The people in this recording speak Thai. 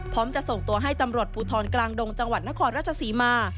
จะส่งตัวให้ตำรวจภูทรกลางดงจังหวัดนครราชศรีมา